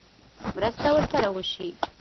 مرسته ورسره وشي.